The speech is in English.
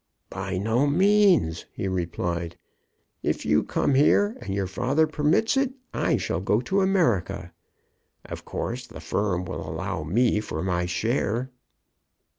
"By no means," he replied. "If you come here, and your father permits it, I shall go to America. Of course the firm will allow me for my share."